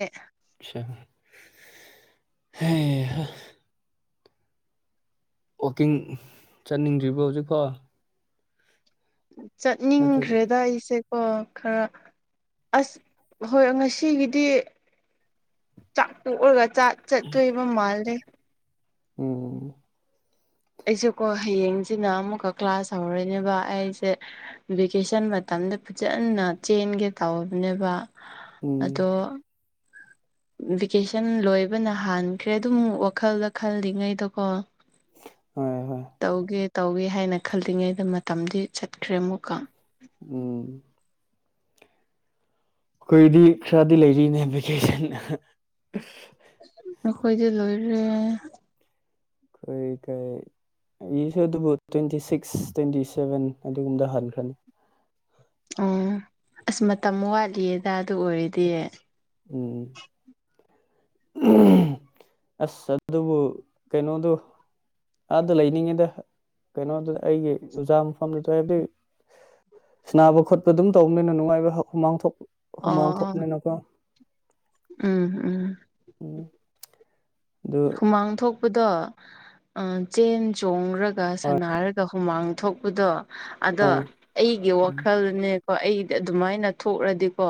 ꯑꯦ ꯑ ꯍ ꯋꯥꯛꯀꯤꯡ ꯆꯠꯅꯤꯡꯗ꯭ꯔꯤꯕꯣ ꯍꯧꯖꯤꯛꯐꯣ ꯅꯠꯇ꯭ꯔꯒ ꯆꯠꯅꯤꯡꯈ꯭ꯔꯦꯗ ꯑꯩꯁꯦ ꯑꯣ ꯈꯔ ꯑꯁ ꯍꯣꯏ ꯉꯁꯤꯒꯤꯗꯤ ꯆꯥꯛ ꯄꯣꯛꯔꯒ ꯆꯥꯛ ꯆꯠꯇꯣꯏꯕ ꯃꯥꯜꯂꯦ ꯎꯝ ꯑꯩꯁꯦꯀꯣ ꯍꯌꯦꯡꯁꯤꯅ ꯑꯃꯨꯛꯀ ꯀ꯭ꯂꯥꯁ ꯍꯧꯔꯅꯦꯕ ꯑꯩꯁꯦ ꯚꯦꯀꯦꯁꯟ ꯃꯇꯝꯗ ꯐꯖꯅ ꯆꯦꯟꯒꯦ ꯇꯧꯕꯅꯦꯕ ꯎꯝ ꯑꯗꯣ ꯚꯦꯀꯦꯁꯟ ꯂꯣꯏꯕꯅ ꯍꯥꯟꯈ꯭ꯔꯦ ꯑꯗꯨꯝ ꯋꯥꯈꯜꯗ ꯈꯜꯂꯤꯉꯩꯗꯀꯣ ꯍꯣꯏ ꯍꯣꯏ ꯇꯧꯒꯦ ꯇꯧꯋꯦ ꯍꯥꯏꯅ ꯈꯜꯂꯤꯉꯩꯗ ꯃꯇꯝꯗꯤ ꯆꯠꯈ꯭ꯔꯦ ꯑꯃꯨꯛꯀ ꯎꯝ ꯑꯩꯈꯣꯏꯗꯤ ꯈꯔꯗꯤ ꯂꯩꯔꯤꯅꯦ ꯚꯦꯀꯦꯁꯟ ꯑꯩꯈꯣꯏꯗꯤ ꯂꯣꯏꯔꯦ ꯑꯩꯏ ꯀꯩ ꯑꯩꯁꯨ ꯑꯗꯨꯕꯨ ꯇ꯭ꯋꯦꯟꯇꯤ ꯁꯤꯛꯁ ꯇ꯭ꯋꯦꯟꯇꯤ ꯁꯚꯦꯟ ꯑꯗꯨꯒꯨꯝꯗ ꯍꯟꯈ꯭ꯔꯅꯤ ꯑꯣ ꯑꯁ ꯃꯇꯝ ꯋꯥꯠꯂꯤꯌꯦꯗ ꯑꯗꯨ ꯑꯣꯏꯔꯗꯤ ꯎꯝ ꯑꯁ ꯑꯗꯨꯕꯨ ꯀꯩꯅꯣꯗꯣ ꯑꯥꯗ ꯂꯩꯅꯤꯡꯉꯤꯗ ꯀꯩꯅꯣꯗꯨꯗ ꯑꯩꯒꯤ ꯑꯣꯖꯥ ꯃꯐꯝꯗꯨꯗ ꯍꯥꯏꯕꯗꯤ ꯁꯅꯥꯕ ꯈꯣꯠꯄ ꯑꯗꯨꯝ ꯇꯧꯕꯅꯤꯅ ꯅꯨꯡꯉꯥꯏꯕ ꯍꯨꯃꯥꯡꯊ ꯍꯨꯃꯥꯡ ꯑꯣ ꯊꯣꯛꯅꯤꯅꯀꯣ ꯎꯝ ꯎꯝ ꯎꯝ ꯑꯗꯨ ꯍꯨꯃꯥꯡ ꯊꯣꯛꯄꯗꯣ ꯆꯦꯟ ꯆꯣꯡꯔꯒ ꯁꯅꯔꯒ ꯍꯨꯃꯥꯡ ꯊꯣꯛꯄꯗꯣ ꯑꯗꯣ ꯍꯣꯏ ꯑꯩꯒꯤ ꯎꯝ ꯋꯥꯈꯜꯅꯦ ꯀ ꯑꯩꯗꯤ ꯑꯗꯨꯃꯥꯏꯅ ꯊꯣꯛꯈ꯭ꯔꯗꯤꯀꯣ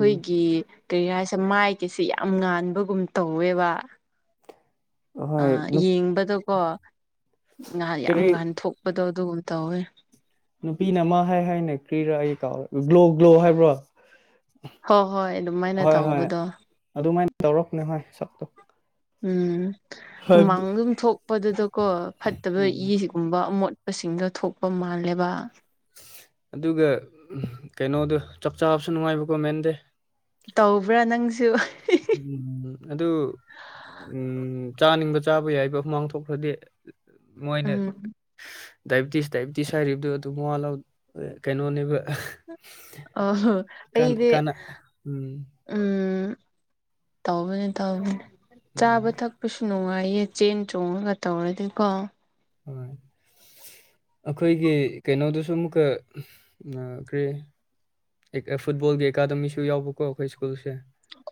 ꯎꯝ ꯀꯩ ꯍꯥꯏꯁꯦ ꯃꯥꯏꯒꯤꯁꯤꯦ ꯌꯥꯝ ꯉꯥꯟꯕꯒꯨꯝ ꯇꯧꯋꯦꯕ ꯍꯣꯏ ꯌꯦꯡꯕꯗꯀꯣ ꯉꯥꯏꯍꯥꯛ ꯌꯥꯝ ꯀꯔꯤ ꯉꯥꯟꯊꯣꯛꯄꯗꯣ ꯑꯗꯨꯒꯨꯝ ꯇꯧꯋꯦ ꯅꯨꯄꯤꯅ ꯑꯃ ꯍꯥꯏ ꯍꯥꯏꯅ ꯀ꯭ꯔꯤꯔ ꯑꯩ ꯀꯥꯎꯔꯒꯦ ꯒ꯭ꯂꯣ ꯒ꯭ꯂꯣ ꯍꯥꯏꯕ꯭ꯔꯣ ꯍꯣꯏ ꯍꯣꯏ ꯑꯗꯨꯃꯥꯏꯅ ꯍꯣꯏ ꯍꯣꯏ ꯇꯧꯕꯗꯣ ꯑꯗꯨꯃꯥꯏꯅ ꯇꯧꯔꯛꯄꯅꯦ ꯍꯣꯏ ꯁꯛꯇꯣ ꯎꯝ ꯍꯥꯏꯕꯗꯤ ꯍꯨꯃꯥꯡ ꯑꯗꯨꯝ ꯊꯣꯛꯄꯗꯨꯗꯀꯣ ꯐꯠꯇꯕ ꯎꯝ ꯏꯁꯤ ꯒꯨꯝꯕ ꯑꯃꯣꯠꯄꯁꯤꯡꯗꯣ ꯊꯣꯛꯄ ꯃꯥꯜꯂꯦꯕ ꯑꯗꯨꯒ ꯀꯩꯅꯣꯗꯣ ꯆꯞ ꯆꯥꯕꯁꯨ ꯅꯨꯡꯉꯥꯏꯕꯀꯣ ꯃꯦꯟꯗꯦ ꯇꯧꯕ꯭ꯔꯥ ꯅꯪꯁꯨ ꯎꯝ ꯑꯗꯨ ꯎꯝ ꯆꯥꯅꯤꯡꯕ ꯆꯥꯕ ꯌꯥꯏꯕ ꯑꯃꯨꯃꯥꯡ ꯊꯣꯛꯈ꯭ꯔꯗꯤ ꯃꯣꯏꯅ ꯎꯝ ꯗꯥꯏꯕꯤꯇꯤꯁ ꯗꯥꯏꯕꯤꯇꯤꯁ ꯍꯥꯏꯔꯤꯕꯗꯨꯣ ꯑꯗꯨꯝ ꯃꯜꯥꯎ ꯀꯩꯅꯣꯅꯦꯕ ꯑꯣ ꯀꯥꯟ ꯑꯩꯗꯤ ꯀꯥꯟꯅ ꯎꯝ ꯎꯝ ꯇꯧꯕꯅꯦ ꯇꯧꯕꯅꯤ ꯆꯥꯕ ꯎꯝ ꯊꯛꯄꯁꯨ ꯅꯨꯡꯉꯥꯏꯌꯦ ꯆꯦꯟ ꯆꯣꯡꯉꯒ ꯇꯧꯔꯗꯤꯀꯣ ꯍꯣꯏ ꯑꯩꯈꯣꯏꯒꯤ ꯀꯩꯅꯣꯗꯁꯨ ꯑꯃꯨꯛꯀ ꯀꯔꯤ ꯐꯨꯠꯕꯣꯜꯒꯤ ꯑꯦꯀꯥꯗꯃꯤꯁꯨ ꯌꯥꯎꯕꯀꯣ ꯑꯩꯈꯣꯏ ꯁ꯭ꯀꯨꯜꯁꯦ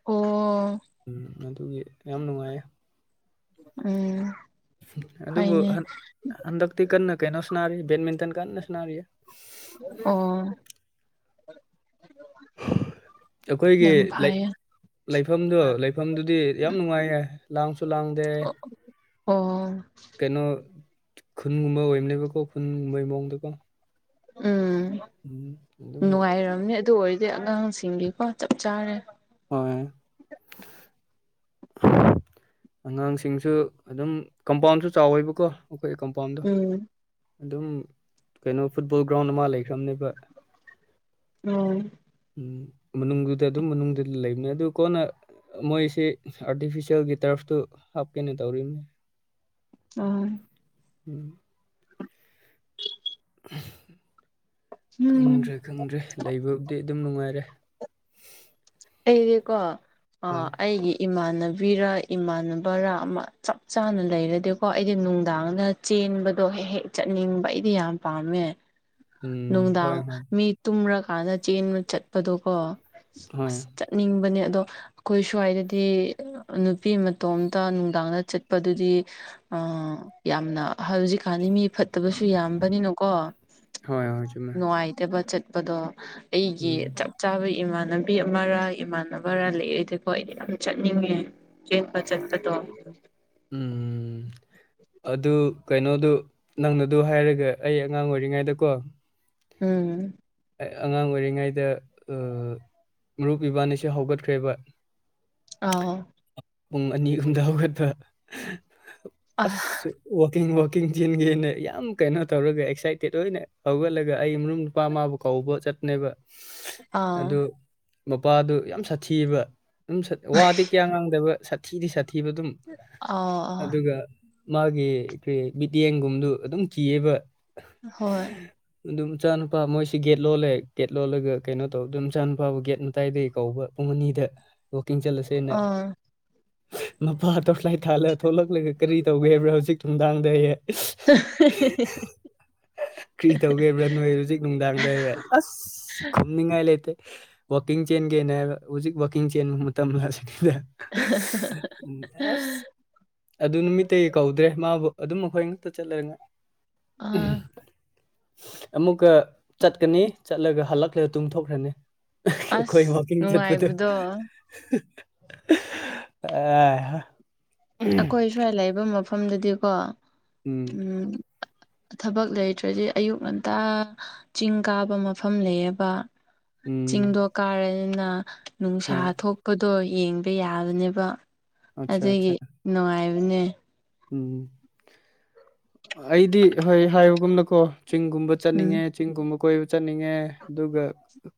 ꯑꯣ ꯎꯝ ꯑꯗꯨꯒꯤ ꯌꯥꯝ ꯅꯨꯡꯉꯥꯏꯌꯦ ꯎꯝ ꯑꯗꯨꯕꯨ ꯐꯩꯅꯦ ꯍꯟꯗꯛꯇꯤ ꯀꯟꯅ ꯀꯩꯅꯣꯁꯨꯟꯅꯔꯤ ꯕꯦꯠꯃꯤꯟꯇꯟ ꯀꯟꯅꯁꯨꯅꯥꯔꯤꯌꯦ ꯑꯣ ꯑꯩꯈꯣꯏꯒꯤ ꯌꯥꯝ ꯂꯩ ꯐꯩꯌꯦ ꯂꯩꯐꯝꯗꯣ ꯂꯩꯐꯝꯗꯨꯗꯤ ꯌꯥꯝ ꯅꯨꯡꯉꯥꯏꯌꯦ ꯂꯥꯡꯁꯨ ꯂꯥꯡꯗꯦ ꯑꯣ ꯀꯩꯅꯣ ꯈꯨꯟꯒꯨꯝꯕ ꯑꯣꯏꯔꯝꯅꯦꯕꯀꯣ ꯈꯨꯟꯒꯨꯝꯕꯩ ꯃꯑꯣꯡꯗꯀꯣ ꯎꯝ ꯎꯝ ꯑꯗꯨꯒꯤ ꯅꯨꯡꯉꯥꯏꯔꯝꯅꯤ ꯑꯗꯨ ꯑꯣꯏꯔꯗꯤ ꯑꯉꯥꯡꯁꯤꯡꯒꯤꯀꯣ ꯆꯞ ꯆꯥꯔꯦ ꯍꯣꯏ ꯑꯉꯥꯡꯁꯤꯡꯁꯨ ꯑꯗꯨꯝ ꯀꯝꯄꯥꯎꯟꯁꯨ ꯆꯥꯎꯋꯦꯕꯀꯣ ꯑꯩꯈꯣꯏꯒꯤ ꯀꯝꯄꯥꯎꯟꯗꯣ ꯎꯝ ꯑꯗꯨꯝ ꯀꯩꯅꯣ ꯐꯨꯠꯕꯣꯜ ꯒ꯭ꯔꯥꯎꯟ ꯑꯃ ꯂꯩꯈ꯭ꯔꯕꯅꯦꯕ ꯑꯣ ꯎꯝ ꯃꯅꯨꯡꯗꯨꯗ ꯑꯗꯨꯝ ꯃꯅꯨꯡꯗꯗꯨ ꯂꯩꯕꯅꯦ ꯑꯗꯨ ꯀꯣꯟꯅ ꯃꯣꯏꯁꯤ ꯑꯥꯔꯇꯤꯐꯤꯁꯦꯜꯒꯤ ꯇꯔꯐꯇꯨ ꯍꯥꯞꯀꯦꯅ ꯇꯧꯔꯤꯕꯅꯦ ꯑ ꯎꯝ ꯎꯝ ꯈꯪꯗ꯭ꯔꯦ ꯈꯪꯗ꯭ꯔꯦ ꯂꯩꯕꯝꯗꯤ ꯑꯗꯨꯝ ꯅꯨꯡꯉꯥꯏꯔꯦ ꯑꯩꯗꯤꯀꯣ ꯑ ꯍꯣꯏ ꯑꯩꯒꯤ ꯏꯃꯥꯟꯅꯕꯤꯔ ꯏꯃꯥꯟꯅꯕꯔꯥ ꯑꯃ ꯆꯞ ꯆꯥꯅ ꯂꯩꯔꯗꯤꯀꯣ ꯑꯩꯗꯤ ꯅꯨꯡꯗꯥꯡꯗ ꯆꯦꯟꯕꯗꯣ ꯍꯦꯛ ꯍꯦꯛ ꯆꯠꯅꯤꯡꯕ ꯑꯩꯗꯤ ꯌꯥꯝ ꯄꯥꯝꯃꯦ꯫ ꯎꯝ ꯍꯣꯏ ꯅꯨꯡꯗꯥꯡ ꯍꯣꯏ ꯃꯤ ꯇꯨꯝꯔꯀꯥꯟꯗ ꯆꯦꯟꯕ ꯆꯠꯄꯗꯣꯀꯣ ꯍꯣꯏ ꯑꯁ ꯆꯠꯅꯤꯡꯕꯅꯦ ꯑꯗꯣ ꯑꯩꯈꯣꯏ ꯁ꯭ꯋꯥꯏꯗꯗꯤ ꯅꯨꯄꯤ ꯃꯇꯣꯝꯇ ꯅꯨꯡꯗꯥꯡꯗ ꯆꯠꯄꯗꯨꯗꯤ ꯑ ꯌꯥꯝꯅ ꯍꯧꯖꯤꯛꯀꯥꯟꯅꯤ ꯃꯤ ꯐꯠꯇꯕꯁꯨ ꯌꯥꯝꯕꯅꯤꯅꯀꯣ ꯍꯣꯏ ꯍꯣꯏ ꯆꯨꯝꯃꯦ ꯅꯨꯡꯉꯥꯏꯇꯕ ꯆꯠꯄꯗꯣ ꯑꯩꯒꯤ ꯎꯝ ꯆꯞ ꯆꯥꯕ ꯏꯃꯥꯟꯅꯕ ꯄꯤ ꯑꯃꯔ ꯏꯃꯥꯟꯅꯕꯔꯥ ꯂꯩꯔꯗꯤꯀꯣ ꯑꯩꯗꯤ ꯌꯥꯝ ꯆꯠꯅꯤꯡꯉꯦ ꯆꯦꯟꯄ ꯆꯠꯄꯗꯣ ꯎꯝ ꯑꯗꯨ ꯀꯩꯅꯣꯗꯨ ꯅꯪꯅꯗꯨ ꯍꯥꯏꯔꯒꯦ ꯑꯩ ꯑꯉꯥꯡ ꯑꯣꯏꯔꯤꯉꯩꯗꯀꯣ ꯎꯝ ꯑꯉꯥꯡ ꯑꯣꯏꯔꯤꯉꯩꯗ ꯃꯔꯨꯞ ꯑ ꯏꯕꯥꯟꯅꯤꯁꯦ ꯍꯧꯒꯠꯈ꯭ꯔꯦꯕ ꯑꯥ ꯄꯨꯡ ꯑꯅꯤ ꯑꯍꯨꯝꯗ ꯍꯧꯒꯠꯄ ꯑꯥ ꯑꯁ ꯋꯥꯋꯀꯤꯡ ꯋꯥꯋꯀꯤꯡ ꯆꯟꯒꯦꯅ ꯌꯥꯝ ꯀꯩꯅꯣ ꯇꯧꯔꯒ ꯑꯦꯛꯁꯥꯏꯇꯦꯠ ꯑꯣꯏꯅ ꯍꯧꯒꯠꯂꯒ ꯑꯩ ꯃꯔ ꯅꯨꯄꯥ ꯃꯥꯕꯨ ꯀꯧꯕ ꯆꯠꯄꯅꯦꯕ ꯑꯥ ꯑꯗꯨ ꯃꯄꯥꯗꯨ ꯌꯥꯝ ꯁꯥꯊꯤꯌꯦꯕ ꯑꯗꯨꯝ ꯋꯥꯗꯤ ꯀꯌꯥ ꯉꯥꯡꯗꯕ ꯁꯥꯊꯤꯗꯤ ꯁꯥꯊꯤꯕ ꯑꯗꯨꯝ ꯑꯥꯎ ꯑꯥ ꯑꯗꯨꯒ ꯃꯥꯒꯤ ꯀꯩ ꯃꯤꯠꯌꯦꯡꯒꯨꯝꯗꯨ ꯑꯗꯨꯝ ꯀꯤꯌꯦꯕ ꯍꯣꯏ ꯑꯗꯨꯝ ꯃꯆꯥ ꯅꯨꯄꯥ ꯃꯣꯏꯁꯤ ꯒꯦꯠ ꯂꯣꯜꯂꯦ ꯒꯦꯠ ꯂꯣꯜꯂꯒ ꯀꯩꯅꯣ ꯇꯧ ꯑꯗꯨꯝ ꯃꯆꯥ ꯅꯨꯄꯥꯕꯨ ꯒꯦꯠ ꯃꯇꯥꯏꯗꯒꯤ ꯀꯧꯕ ꯄꯨꯡ ꯑꯅꯤꯗ ꯋꯥꯛꯀꯤꯡ ꯆꯠꯂꯨꯁꯦ ꯑꯥ ꯃꯄꯥꯗꯣ ꯐꯥꯠ ꯊꯥꯟꯂ ꯊꯣꯛꯂꯛꯂꯒ ꯀꯔꯤ ꯇꯧꯒꯦ ꯍꯥꯏꯕ꯭ꯔꯥ ꯍꯧꯖꯤꯛ ꯅꯨꯡꯗꯥꯡꯗ ꯀꯔꯤ ꯇꯧꯒꯦꯕ꯭ꯔꯥ ꯅꯣꯏ ꯍꯧꯖꯤꯛ ꯅꯨꯡꯗꯥꯡꯗ ꯑꯁ ꯈꯨꯝꯅꯤꯡꯉꯥꯏ ꯂꯩꯇꯦ ꯋꯥꯛꯀꯤꯡ ꯆꯦꯟꯒꯦꯅꯦ ꯍꯥꯏꯕ ꯍꯧꯖꯤꯛ ꯋꯥꯛꯀꯤꯡ ꯆꯦꯟ ꯃꯇꯝ ꯑꯁꯤꯅꯤꯗ ꯑꯁ ꯑꯗꯨ ꯅꯨꯃꯤꯠꯇꯒꯤ ꯀꯧꯗ꯭ꯔꯦ ꯃꯥꯕꯨ ꯑꯗꯨꯝ ꯑꯩꯈꯣꯏ ꯉꯥꯛꯛꯇ ꯆꯠꯂ ꯅꯨꯉꯥꯏ ꯑꯥ ꯑꯃꯨꯛꯀ ꯆꯠꯀꯅꯤ ꯆꯠꯂꯒ ꯍꯜꯂꯛꯈꯒ ꯇꯨꯡꯊꯣꯛꯈ꯭ꯔꯅꯤ ꯑꯩꯈꯣꯏ ꯑꯁ ꯋꯀꯤꯡ ꯆꯠꯄꯗꯨ ꯅꯨꯡꯉꯥꯏꯕꯗꯣ ꯑꯍꯥ ꯑꯩꯈꯣꯏ ꯁ꯭ꯋꯥꯏ ꯂꯩꯕ ꯃꯐꯝꯗꯗꯤꯀꯣ ꯎꯝ ꯎꯝ ꯊꯕꯛ ꯂꯩꯇ꯭ꯔꯗꯤ ꯑꯌꯨꯛ ꯉꯟꯇꯥ ꯆꯤꯡ ꯀꯥꯕ ꯃꯐꯝ ꯂꯩꯌꯦꯕ ꯎꯝ ꯆꯤꯡꯗꯣ ꯀꯥꯔꯅꯤꯅ ꯅꯨꯡꯁꯥ ꯍꯣꯏ ꯊꯣꯛꯄꯗꯣ ꯌꯦꯡꯕ ꯌꯥꯒꯅꯤꯕ ꯑꯆꯥ ꯑꯆꯥ ꯑꯗꯨꯒꯤ ꯅꯨꯡꯉꯥꯏꯕꯅꯦ ꯎꯝ ꯑꯩꯗꯤ ꯍꯣꯏ ꯍꯥꯏꯕꯒꯨꯝꯅꯀꯣ ꯆꯤꯡꯒꯨꯝꯕ ꯎꯝ ꯆꯠꯅꯤꯡꯉꯦ ꯆꯤꯡꯒꯨꯝꯕ ꯀꯣꯏꯕ ꯆꯠꯅꯤꯡꯉꯦ ꯑꯗꯨꯒ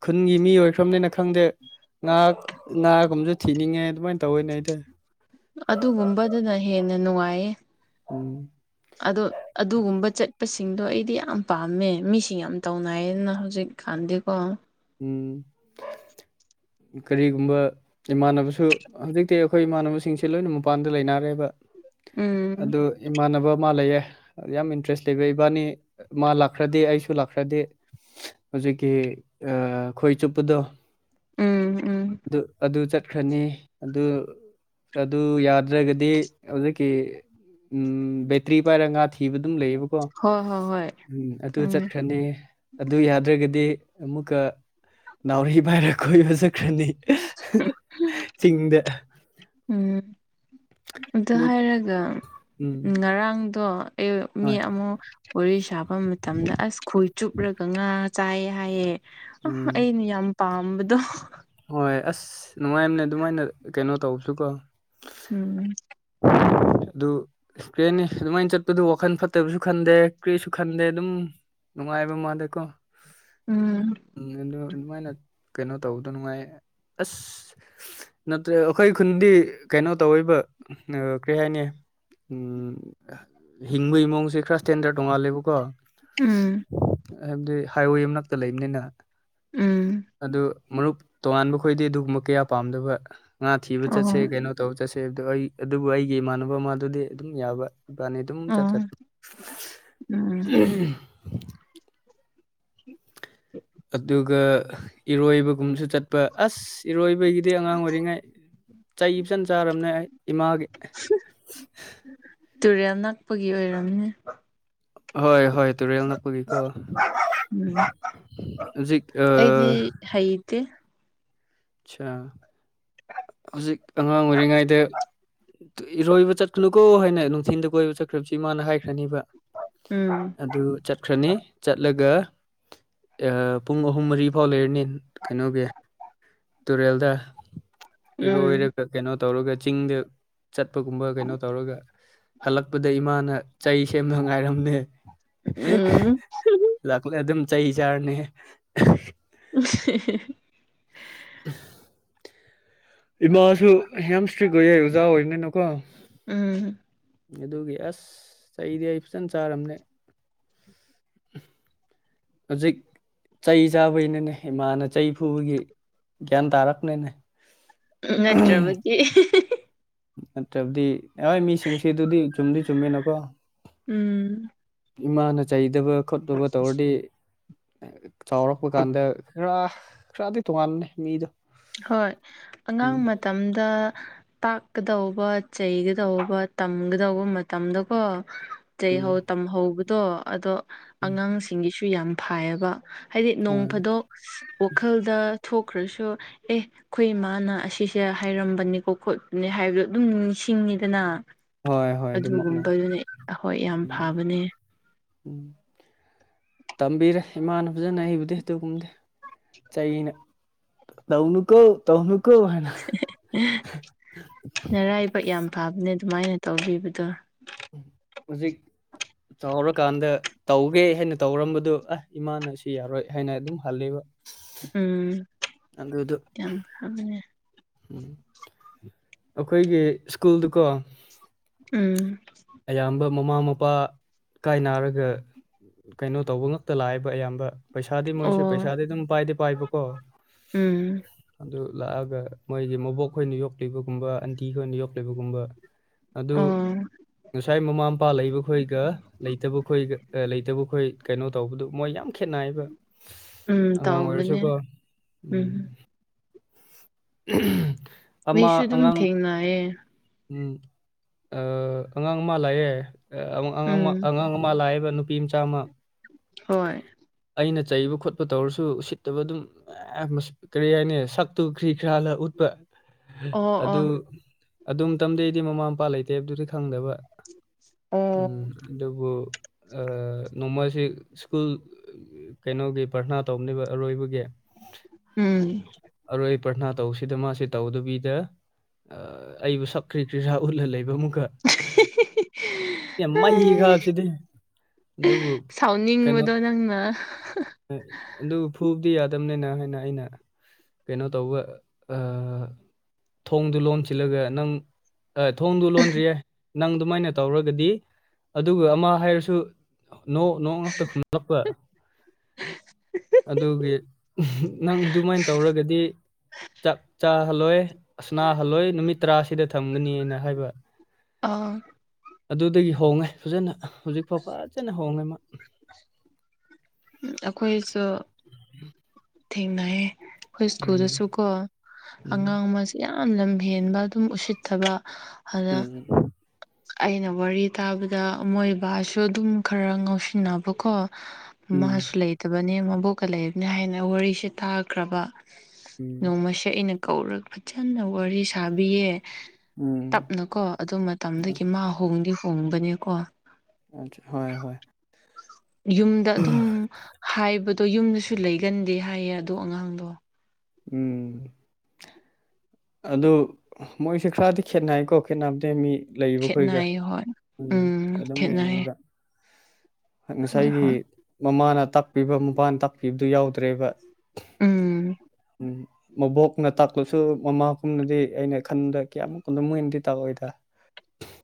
ꯈꯨꯟꯒꯤ ꯃꯤ ꯑꯣꯏꯈ꯭ꯔꯕꯅꯤꯅ ꯈꯪꯗꯦ ꯉꯥ ꯉꯥꯒꯨꯝꯕꯁꯨ ꯊꯤꯅꯤꯡꯉꯦ ꯑꯗꯨꯃꯥꯏꯅ ꯇꯧꯋꯤꯅꯦ ꯑꯩꯗꯤ ꯑꯗꯨꯒꯨꯝꯕꯗꯨꯅ ꯍꯦꯟꯅ ꯅꯨꯡꯉꯥꯏꯌꯦ ꯎꯝ ꯑꯗꯣ ꯑꯗꯨꯒꯨꯝꯕ ꯆꯠꯄꯁꯤꯡꯗꯣ ꯑꯩꯗꯤ ꯌꯥꯝ ꯄꯥꯝꯃꯦ ꯃꯤꯁꯤꯡ ꯌꯥꯝ ꯇꯧꯅꯥꯏꯌꯦꯅ ꯍꯧꯖꯤꯛ ꯈꯥꯟꯗꯀ ꯎꯝ ꯀꯔꯤꯒꯨꯝꯕ ꯏꯃꯥꯟꯅꯕꯁꯨ ꯍꯧꯖꯤꯛꯇꯤ ꯑꯩꯈꯣꯏ ꯏꯃꯥꯟꯅꯕꯁꯤꯡꯁꯦ ꯂꯣꯏꯅ ꯃꯄꯥꯟꯗ ꯂꯩꯅꯔꯦꯕ ꯎꯝ ꯑꯗꯨ ꯏꯃꯥꯟꯅꯕ ꯑꯃ ꯂꯩꯌꯦ ꯌꯥꯝ ꯏꯟꯇꯔꯦꯁ ꯂꯩꯕ ꯏꯕꯥꯅꯤ ꯃꯥ ꯂꯥꯛꯈ꯭ꯔꯗꯤꯦ ꯑꯩꯁꯨ ꯂꯥꯛꯈ꯭ꯔꯗꯤꯦ ꯍꯧꯖꯤꯛꯀꯤ ꯈꯣꯏ ꯆꯨꯞꯄꯗꯣ ꯎꯝ ꯎꯝ ꯑꯗꯨ ꯑꯗꯨ ꯆꯠ ꯆꯠꯈ꯭ꯔꯅꯤ ꯑꯗꯨ ꯒꯗꯤ ꯑꯣ ꯎꯝ ꯕꯇ꯭ꯔꯤ ꯄꯥꯏꯔ ꯊꯤꯕ ꯑꯗꯨꯝ ꯂꯩꯌꯦꯕꯀꯣ ꯍꯣꯏ ꯍꯣꯏ ꯍꯣꯏ ꯎꯝ ꯑꯗꯨ ꯈꯪꯉꯦ ꯆꯠꯈ꯭ꯔꯅꯤ ꯑꯗꯨ ꯌꯥꯗ꯭ꯔꯒꯗꯤ ꯑꯃ ꯑꯃꯨꯀ ꯅꯥꯎꯔꯤ ꯄꯥꯏꯔ ꯀ ꯍꯧ ꯆꯠꯈ꯭ꯔꯅꯤ ꯆꯤꯡꯗ ꯎꯝ ꯑꯗꯨ ꯍꯥꯏꯔꯒ ꯎꯝ ꯉꯔꯥꯡꯗꯣ ꯑꯩ ꯃꯤ ꯍꯣꯏ ꯑꯃꯨꯛ ꯋꯥꯔꯤ ꯁꯥꯕ ꯃꯇꯝꯗ ꯑꯁ ꯈꯣꯏ ꯆꯨꯞꯂꯒ ꯉꯥ ꯆꯥꯏꯑ ꯍꯥꯏꯌꯦꯦ ꯑ ꯎꯝ ꯑꯩꯅ ꯌꯥꯝ ꯄꯥꯝꯕꯗꯣ ꯍꯣꯏ ꯑꯁ ꯅꯨꯡꯉꯥꯏꯝꯅꯦ ꯑꯗꯨꯃꯥꯏꯅ ꯀꯩꯅꯣ ꯇꯧꯕꯁꯨ ꯀꯣ ꯎꯝ ꯑꯗꯨ ꯀ꯭ꯔꯦꯅꯤ ꯑꯗꯨꯃꯥꯏꯅ ꯆꯠꯄꯗꯨ ꯋꯥꯈꯟ ꯐꯠꯇꯕꯁꯨ ꯈꯟꯗꯦ ꯀ꯭ꯦꯁꯨ ꯈꯟꯗꯦ ꯑꯗꯨꯝ ꯅꯨꯡꯉꯥꯏꯕ ꯃꯥꯜꯗꯦꯀꯣ ꯎꯝ ꯎꯝ ꯑꯗꯨ ꯑꯗꯨꯃꯥꯏꯅ ꯀꯩꯅꯣ ꯇꯧꯕꯗꯣ ꯅꯨꯡꯉꯥꯏ ꯑꯁ ꯅꯠꯇ꯭ꯔꯦ ꯑꯩꯈꯣꯏ ꯈꯨꯟꯗꯤ ꯀꯩꯅꯣ ꯇꯧꯔꯤꯕ ꯀꯔꯤ ꯍꯥꯏꯅꯤ ꯎꯝ ꯍꯤꯡꯕꯒꯤ ꯃꯑꯣꯡꯁꯦ ꯈꯔ ꯁ꯭ꯇꯦꯟꯗꯔ ꯇꯣꯡꯉꯥꯜꯂꯦꯕꯀꯣ ꯎꯝ ꯍꯥꯏꯕꯗꯤ ꯍꯥꯏꯋꯦ ꯃꯅꯥꯛꯇ ꯂꯩꯕꯅꯤꯅ ꯎꯝ ꯑꯗꯨ ꯃꯔꯨꯞ ꯇꯣꯉꯥꯟꯕ ꯈꯣꯏꯗꯤ ꯑꯗꯨꯒꯨꯝꯕ ꯀꯌꯥ ꯄꯥꯝꯗꯕ ꯉꯥ ꯊꯤꯕ ꯑꯣ ꯆꯠꯁꯦ ꯀꯩꯅꯣ ꯇꯧꯕ ꯆꯠꯁꯦ ꯍꯥꯏꯕꯗꯣ ꯑꯩ ꯑꯗꯨꯕꯨ ꯑꯩꯒꯤ ꯏꯃꯥꯟꯅꯕ ꯃꯥꯗꯨꯗꯤ ꯑꯗꯨꯝ ꯌꯥꯕ ꯏꯕꯥꯅꯤ ꯑꯗꯨꯝ ꯆꯠ ꯑꯣ ꯆꯠ ꯎꯝ [inaudible] ꯑꯗꯨꯒ ꯏꯔꯣꯏꯕꯒꯨꯝꯁꯨ ꯆꯠꯄ ꯑꯁ ꯏꯔꯣꯏꯕꯒꯤꯗꯤ ꯑꯉꯥꯡ ꯑꯣꯏꯔꯤꯉꯩ ꯆꯩ ꯐꯖꯅ ꯆꯥꯔꯕꯅꯦ ꯑꯩ ꯏꯃꯥꯒꯤ ꯇꯨꯔꯦꯜ ꯅꯛꯄꯒꯤ ꯑꯣꯏꯔꯝꯅꯦ ꯍꯣꯏ ꯍꯣꯏ ꯇꯨꯔꯦꯜꯅꯅꯥꯄꯒꯤꯀꯣ ꯎꯝ ꯍꯧꯖꯤꯛ ꯀꯤ ꯑꯆꯥ ꯍꯧꯖꯤꯛ ꯑꯉꯥꯡ ꯑꯣꯏꯔꯤꯉꯩꯗ ꯏꯔꯣꯏꯕ ꯆꯠꯀꯅꯨꯀꯣ ꯍꯥꯏꯅ ꯅꯨꯡꯊꯤꯤꯟꯗ ꯀꯣꯏꯕ ꯆꯠꯈ꯭ꯔꯕꯁꯤ ꯏꯃꯥꯅ ꯍꯥꯏꯈ꯭ꯔꯅꯤꯕ ꯎꯝ ꯑꯗꯨ ꯆꯠ ꯆꯠꯈ꯭ꯔꯅꯤ ꯆꯠꯂꯒ ꯄꯨꯡ ꯑꯍꯨꯝ ꯃꯔꯤ ꯐꯥꯎ ꯂꯩꯔꯅꯤ ꯀꯩꯅꯣꯒꯤ ꯇꯨꯔꯦꯜꯗ ꯎꯝ ꯏꯔꯣꯏꯔꯒ ꯀꯩꯅꯣ ꯇꯧꯔꯒ ꯆꯤꯡꯗ ꯆꯠꯄꯒꯨꯝꯕ ꯀꯩꯅꯣ ꯇꯧꯔꯒ ꯍꯜꯂꯛꯄꯗ ꯏꯃꯥꯅ ꯆꯩ ꯁꯦꯝꯗ ꯉꯥꯏꯔꯝꯗ ꯎꯝ ꯂꯥꯛꯂ ꯑꯗꯨꯝ ꯆꯩ ꯆꯥꯔꯅꯤ ꯎ [inaudible] ꯏꯃꯥꯁꯨ ꯌꯥꯝ ꯏꯁꯇ꯭ꯔꯤꯛ ꯑꯣꯏꯌꯦꯏ ꯑꯣꯖꯥ ꯑꯣꯏꯔꯤꯒꯅꯨꯀꯣ ꯎꯝ ꯑꯗꯨꯒꯤ ꯑꯁ ꯆꯩꯗꯤ ꯑꯩ ꯐꯖꯅ ꯆꯥꯔꯝꯅꯦ ꯍꯧꯖꯤꯛ ꯆꯩ ꯆꯥꯕꯩꯅꯅꯦ ꯏꯃꯥꯅ ꯆꯩ ꯐꯨꯕꯒꯤ ꯒ꯭ꯌꯥꯟ ꯇꯥꯔꯛꯅꯅꯦ ꯅꯠꯇ꯭ꯔꯕꯗꯤ ꯅꯠꯇ꯭ꯔꯕꯗꯤ ꯍꯣꯏ ꯃꯤꯁꯤꯡꯁꯤꯗꯨꯗꯤ ꯆꯨꯝꯗꯤ ꯆꯨꯝꯃꯤꯅꯀꯣ ꯎꯝ ꯏꯃꯥꯅ ꯆꯩꯗꯕ ꯈꯣꯠꯇꯕ ꯇꯧꯔꯗꯤ ꯆꯥꯎꯔꯛꯄ ꯀꯥꯟꯗ ꯈꯔ ꯈꯔꯗꯤ ꯇꯣꯉꯥꯟꯥꯟꯕꯅꯦ ꯃꯤꯗꯣ ꯍꯣꯏ ꯑꯉꯥꯡ ꯎꯝ ꯃꯇꯝꯗ ꯇꯥꯛꯀꯗꯧꯕ ꯆꯩꯒꯗꯧꯕ ꯇꯝꯒꯗꯧꯕ ꯃꯇꯝꯗꯀꯣ ꯎꯝ ꯆꯩꯍꯧ ꯇꯝꯍꯧꯕꯗꯣ ꯑꯗꯣ ꯎꯝ ꯑꯉꯥꯡꯁꯤꯡꯒꯤꯁꯨ ꯌꯥꯝ ꯐꯥꯏꯌꯦꯕ ꯍꯥꯏꯗꯤ ꯅꯣꯡ ꯍꯣꯏ ꯐꯥꯗꯣꯛ ꯋꯥꯈꯜꯗ ꯊꯣꯛꯈ꯭ꯔꯁꯨ ꯑꯦ ꯑꯩꯈꯣꯏ ꯏꯃꯥꯅ ꯑꯁꯤꯁꯦ ꯍꯥꯏꯔꯝꯕꯅꯤꯀꯣ ꯈꯣꯠꯄꯅꯤ ꯍꯥꯏꯕꯗꯣ ꯑꯗꯨꯝ ꯅꯤꯡꯁꯤꯡꯉꯤꯗꯅ꯫ ꯍꯣꯏ ꯍꯣꯏ ꯑꯗꯨꯃꯛꯅꯦ ꯑꯗꯨꯒꯨꯝꯕꯗꯨꯅ ꯑꯩꯈꯣꯏ ꯌꯥꯝ ꯎꯝ ꯐꯕꯅꯦ꯫ ꯎꯝ ꯇꯝꯕꯤꯔꯦ ꯏꯃꯥꯅ ꯐꯖꯅ ꯑꯩꯕꯨꯗꯤ ꯑꯗꯨꯒꯨꯝꯗꯦ ꯆꯩꯅ ꯇꯧꯅꯨꯀꯣ ꯇꯧꯅꯨꯀꯣ ꯍꯥꯏꯅ ꯄꯠ ꯌꯥꯝ ꯐꯕꯅꯦ ꯑꯗꯨꯃꯥꯏꯅ ꯇꯧꯕꯤꯕꯗꯣ꯫ ꯍꯧꯖꯤꯛ ꯆꯥꯎꯔꯀꯥꯟꯗ ꯇꯧꯒꯦ ꯍꯥꯏꯅ ꯇꯧꯔꯝꯕꯗꯨ ꯑ ꯏꯃꯥꯅ ꯁꯤ ꯌꯥꯔꯣꯏ ꯍꯥꯏꯅ ꯑꯗꯨꯝ ꯍꯜꯂꯦꯕ꯫ ꯎꯝ ꯑꯗꯨꯗꯣ ꯌꯥꯝ ꯐꯕꯅꯦ꯫ ꯎꯝ ꯑꯩꯈꯣꯏꯒꯤ ꯁ꯭ꯀꯨꯜꯗꯨꯀꯣ ꯎꯝ꯫ ꯑꯌꯥꯝꯕ ꯃꯃꯥ ꯃꯄꯥ ꯀꯥꯏ ꯅꯥꯔꯒ ꯀꯩꯅꯣ ꯇꯧꯕ ꯉꯛꯇ ꯂꯥꯛꯏꯕ ꯑꯌꯥꯝꯕ꯫ ꯄꯩꯁꯥꯗꯤ ꯃꯣꯏꯁꯨ ꯑꯣ ꯄꯩꯁꯥꯗꯤ ꯑꯗꯨꯝ ꯄꯥꯏꯗꯤ ꯄꯥꯏꯕꯀꯣ ꯎꯝ ꯑꯗꯨ ꯂꯥꯛꯑꯒ ꯃꯣꯏꯒꯤ ꯃꯣꯕꯣꯛ ꯈꯣꯏꯅ ꯌꯣꯛꯂꯤꯕꯒꯨꯝꯕ ꯑꯟꯇꯤ ꯈꯣꯏꯅ ꯌꯣꯛꯂꯤꯕꯒꯨꯝꯕ ꯑꯗꯨ ꯎꯝ꯫ ꯉꯁꯥꯏ ꯃꯃꯥ ꯃꯄꯥ ꯂꯩꯕ ꯈꯣꯏꯒ ꯂꯩꯇꯕ ꯈꯣꯏ ꯂꯩꯇꯕꯈꯣꯏ ꯀꯩꯅꯣ ꯇꯧꯕꯗꯨ ꯃꯣꯏ ꯌꯥꯝ ꯈꯦꯠꯅꯩꯕ꯫ ꯎꯝ ꯑꯉꯥꯡ ꯇꯧꯕꯅꯦ ꯑꯣꯏꯁꯨꯀꯣ ꯎꯝ ꯑꯩꯁꯨ ꯑꯃꯃ ꯑꯗꯨꯝ ꯊꯦꯡꯅꯌꯦ꯫ ꯎꯝ ꯑꯉꯥꯡ ꯑꯃ ꯂꯥꯛꯑꯦ ꯑꯉꯥꯡ ꯎꯝ ꯑꯉꯥꯡ ꯑꯃ ꯂꯥꯛꯑꯦꯕ ꯅꯨ ꯅꯨꯄꯤ ꯃꯆꯥꯝꯃ ꯍꯣꯏ ꯑꯩꯅ ꯆꯩꯕ ꯈꯣꯠꯄ ꯇꯧꯔꯁꯨ ꯎꯁꯤꯠꯇꯕ ꯑꯗꯨꯝ- ꯑꯦ ꯀꯔꯤ ꯍꯥꯏꯅꯤ ꯁꯛꯇꯨ ꯈ꯭ꯔꯤ ꯈꯔꯥꯜꯂ ꯎꯠꯄ ꯑꯣ ꯑꯗꯨ ꯑꯣ ꯑꯗꯨ ꯃꯇꯝꯗꯩꯗꯤ ꯃꯃꯥ ꯃꯄꯥ ꯂꯩꯇꯦꯕꯗꯨꯗꯤ ꯈꯪꯗꯕ ꯎꯝ ꯑꯣ ꯑꯗꯨꯕꯨ ꯅꯣꯡꯃꯁꯤ ꯁ꯭ꯀꯨꯜ ꯀꯩꯅꯣꯒꯤ ꯄ꯭ꯔꯔꯊꯅꯥ ꯇꯧꯅꯦꯕ ꯑꯔꯣꯏꯕꯒꯤ ꯎꯝ꯫ ꯑꯔꯣꯏ ꯑꯩ ꯄ꯭ꯔꯔꯊꯅꯥ ꯇꯧꯁꯤꯗ ꯃꯥꯁꯤ ꯇꯧꯗꯕꯤꯗ ꯑ ꯑꯩꯕꯨ ꯁꯛꯀ꯭ꯔꯤ ꯀ꯭ꯔꯤꯖꯥ ꯎꯠꯂ ꯂꯩꯕ ꯑꯃꯨꯛꯀ ꯌꯥꯝ ꯃꯍ ꯍꯤꯒꯞꯕꯁꯤꯗꯤ ꯁꯥꯎꯅꯤꯡꯕꯗꯣ ꯅꯪꯅ꯫ ꯑꯗꯨ ꯐꯨꯕꯗꯤ ꯌꯥꯗꯕꯅꯤꯅ ꯍꯥꯏꯅ ꯑꯩꯅ ꯀꯩꯅꯣ ꯇꯧꯕ ꯊꯣꯡꯗꯨ ꯂꯣꯟꯁꯤꯜꯂꯒ ꯅꯪ ꯊꯣꯡꯗꯨ ꯂꯣꯟꯗ꯭ꯔꯤꯌꯦ ꯅꯪ ꯑꯗꯨꯃꯥꯏꯅ ꯇꯧꯔꯒꯗꯤ ꯑꯗꯨꯒ ꯑꯃ ꯍꯥꯏꯔꯁꯨ ꯅꯣ ꯅꯣ ꯉꯛꯇ ꯈꯨꯝꯂꯛꯄ ꯍꯍ ꯑꯗꯨꯒꯤ ꯅꯪ ꯑꯗꯨꯃꯥꯏꯅ ꯇꯧꯔꯒꯗꯤ ꯆꯥꯛ ꯆꯥꯍꯜꯂꯣꯏ ꯑꯁꯅꯥꯍꯜꯂꯣꯏ ꯅꯨꯃꯤꯠ ꯇꯔꯥꯁꯤꯗ ꯊꯝꯒꯅꯤꯅ ꯍꯥꯏꯕ ꯑ ꯑꯗꯨꯗꯒꯤ ꯍꯣꯡꯉꯦ ꯐꯖꯅ ꯍꯧꯖꯤꯛꯐꯥꯎ ꯐꯖꯅ ꯍꯣꯡꯉꯦ꯫ ꯑꯩꯈꯣꯏꯁꯨ ꯎꯝ ꯊꯦꯡꯅꯩꯌꯦ꯫ ꯑꯩꯈꯣꯏ ꯁ꯭ꯀꯨꯜꯗꯁꯨ ꯀꯣ ꯎꯝ ꯑꯉꯥꯡ ꯑꯃ ꯌꯥꯝ ꯂꯝ ꯍꯦꯟꯕ ꯑꯗꯨꯝ ꯎꯁꯤꯠꯇꯕ ꯑꯗꯨꯗ [unintelligible] ꯑꯩꯅ ꯋꯥꯔꯤ ꯇꯥꯕꯗ ꯃꯣꯏꯕꯥꯁꯨ ꯑꯗꯨꯝ ꯈꯔ ꯉꯥꯎꯁꯤꯟꯅꯕꯀꯣ ꯎꯝ ꯃꯥꯁꯨ ꯂꯩꯇꯕꯅꯦ ꯃꯕꯣꯛꯀ ꯂꯩꯕꯅꯤ ꯍꯥꯏꯅ ꯋꯥꯔꯤꯁꯦ ꯇꯥꯈ꯭ꯔꯕ ꯎꯝ ꯅꯣꯡꯃꯁꯦ ꯑꯩꯅ ꯀꯧꯔꯒ ꯐꯖꯅ ꯋꯥꯔꯤ ꯁꯥꯕꯤꯌꯦ ꯎꯝ ꯇꯞꯅꯀꯣ ꯑꯗꯨ ꯃꯇꯝꯗꯒꯤ ꯃꯥ ꯍꯣꯡꯗꯤ ꯍꯣꯡꯕꯅꯦꯀꯣ ꯑ ꯍꯣꯏ ꯍꯣꯏ ꯌꯨꯝꯗ ꯑꯗꯨꯝ ꯍꯥꯏꯕꯗꯣ ꯌꯨꯝꯗꯁꯨ ꯂꯩꯒꯟꯗꯦ ꯍꯥꯏꯌꯦ ꯑꯗꯣ ꯑꯉꯥꯡꯗꯣ ꯎꯝ ꯑꯗꯨ ꯃꯣꯏꯁꯨꯦ ꯈꯔꯗꯤ ꯈꯦꯠꯅꯩꯀꯣ ꯈꯦꯠꯅꯕꯗ ꯃꯤ ꯂꯩꯕꯈꯣꯏꯒ ꯈꯦꯠꯅꯩ ꯍꯣꯏ ꯎꯝ ꯑꯗꯨꯝ ꯈꯦꯠꯅꯩ ꯌꯦꯡꯕꯖ ꯍꯣꯏ ꯉꯁꯥꯏꯒꯤ ꯍꯣꯏ ꯃꯃꯥꯅ ꯇꯥꯛꯄꯤꯕ ꯃꯄꯥꯅ ꯇꯥꯛꯄꯤꯕꯗꯨ ꯌꯥꯎꯗ ꯇ꯭ꯔꯦꯕ ꯎꯝ ꯃꯕꯣꯛꯅ ꯇꯥꯛꯄꯁꯨ ꯃꯃꯥ ꯄꯨꯝꯅꯗꯤ ꯑꯩꯅ ꯈꯟꯕꯗ ꯀꯌꯥꯃꯨꯛ ꯀꯨꯗ ꯃꯣꯏꯅꯗꯤ ꯇꯥꯛꯔꯑꯣꯏꯗ